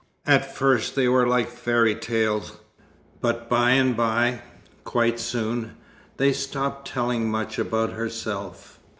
At first they were like fairy tales, but by and by quite soon they stopped telling much about herself.